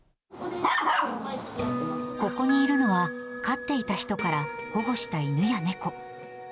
ここにいるのは、飼っていた人から保護した犬や猫。